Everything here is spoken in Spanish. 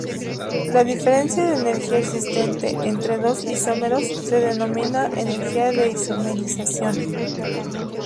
La diferencia de energía existente entre dos isómeros se denomina energía de isomerización.